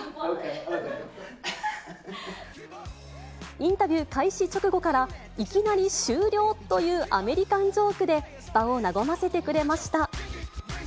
インタビュー開始直後から、いきなり終了というアメリカンジョークで、場を和ませてくれました。